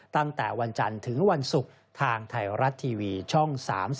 ตั้งแต่วันจันทร์ถึงวันศุกร์ทางไทยรัฐทีวีช่อง๓๒